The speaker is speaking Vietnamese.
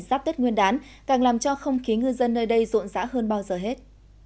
giáp tết nguyên đán càng làm cho không khí ngư dân nơi đây rộn rã hơn bao giờ hết